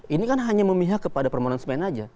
ini kan hanya memihak kepada permanence man aja